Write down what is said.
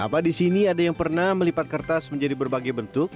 apa di sini ada yang pernah melipat kertas menjadi berbagai bentuk